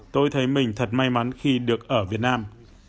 tôi thấy mình thật may mắn khi được ở việt nam